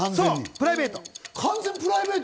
プライベート。